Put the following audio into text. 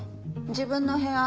自分の部屋。